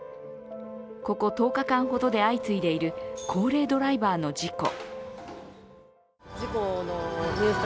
ここ１０日間ほどで相次いでいる高齢ドライバーの事故。